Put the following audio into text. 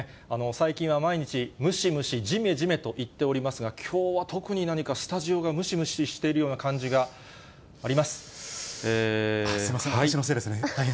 最近は毎日、ムシムシ、じめじめといっておりますが、きょうは特に何か、スタジオがムシムシしているような感じがありすみません、私のせいですね。